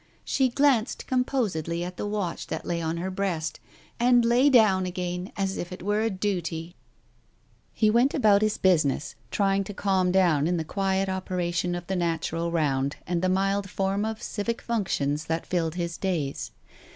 She glanced composedly at the watch that lay on her breast, and lay down again as if it were a duty. ... He went about his business, trying to calm down in the quiet operation of the natural round, and the mild form of civic functions that filled his days.